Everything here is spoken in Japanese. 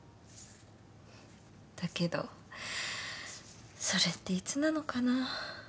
だけどそれっていつなのかな。